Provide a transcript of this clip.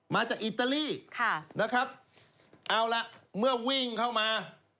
มาจากอิตาลีนะครับ